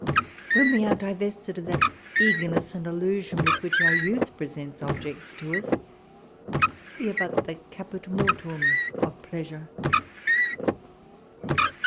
When we are divested of that eager ness and illusion with which our youth presents objects to us, we are but the caput mortuum of pleasure.